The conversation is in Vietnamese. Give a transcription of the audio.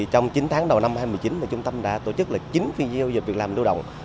trong chín tháng đầu năm hai nghìn một mươi chín trung tâm đã tổ chức chín phi doanh nghiệp việc làm lưu động